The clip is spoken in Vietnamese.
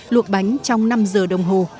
luộc bánh trong năm giờ đồng